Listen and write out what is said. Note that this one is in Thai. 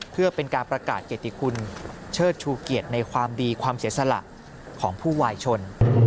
เพื่อเป็นการประกาศเกติคุณเชิดชูเกียรติในความดีความเสียสละของผู้วายชน